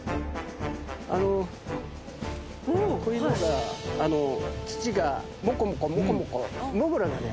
あのこういうのが土がモコモコモコモコモグラだね。